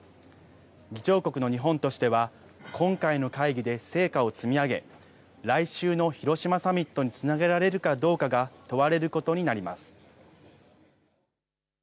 議長国の日本としては今回の会議で成果を積み上げ来週の広島サミットにつなげられるかどうかが問われることになります。